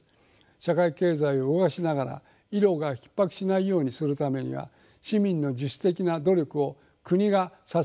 社会経済を動かしながら医療がひっ迫しないようにするためには市民の自主的な努力を国が支えることが重要だと思います。